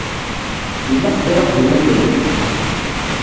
Yella ḥedd ara ɣ-d-imagren?